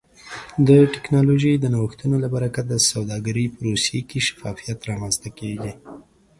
د ټکنالوژۍ د نوښتونو له برکته د سوداګرۍ پروسې کې شفافیت رامنځته کیږي.